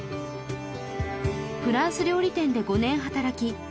フランス料理店で５年働き